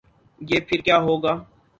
گے، پھر کیا ہو گا؟